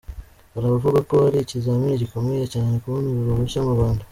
Hari abavuga ko ari ikizamini gikomeye cyane kubona uru ruhushya mu Rwanda.